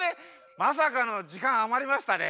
まさかのじかんあまりましたね。